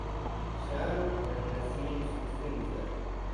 شمع در نسیم سوسو میزد.